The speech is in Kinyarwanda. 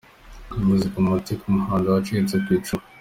Muzika, umuti ku muhanzi wacitse ku icumu.